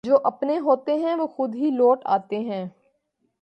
جواپنے ہوتے ہیں وہ خودہی لوٹ آتے ہیں